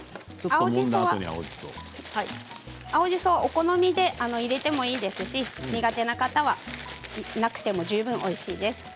青じそはお好みで入れてもいいですし苦手な方はなくても十分おいしいです。